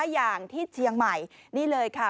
อย่างที่เชียงใหม่นี่เลยค่ะ